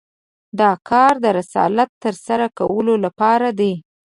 دا کار د رسالت تر سره کولو لپاره دی.